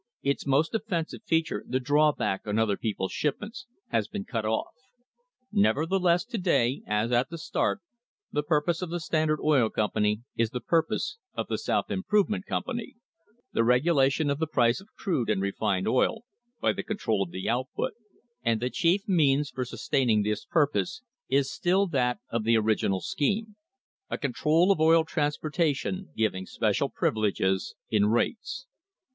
Its most offensive feature, the drawback on other people's shipments, has been cut off. Nevertheless, to day, as at the start, the purpose of the Standard Oil Company is the purpose of the South Im provement Company the regulation of the price of crude and refined oil by the control of the output; and the chief JOHN D. ROCKEFELLER From a photograph by Allen Ayrault Green, taken about 1892. CONCLUSION means for sustaining this purpose is still that of the original scheme a control of oil transportation giving special privi leges in rates.